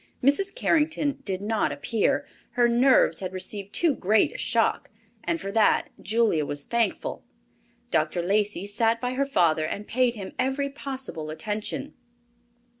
Mrs. Carrington did not appear—her nerves had received too great a shock—and for that Julia was thankful. Dr. Lacey sat by her father and paid him every possible attention.